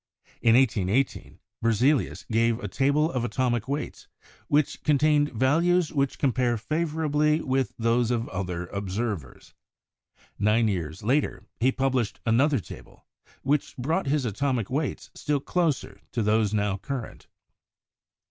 In 1818, Berzelius gave a table of atomic weights which contained values which compare favorably with those of other observers. Nine years later he published another table which brought his atomic weights still closer to those now current.